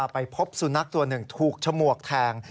ไปพบสุนัขตัวหนึ่งถูกฉมวกแทง